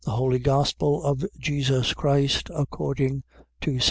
THE HOLY GOSPEL OF JESUS CHRIST ACCORDING TO ST.